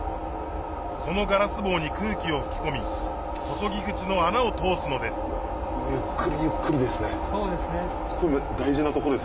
そのガラス棒に空気を吹き込み注ぎ口の穴を通すのですそうですね。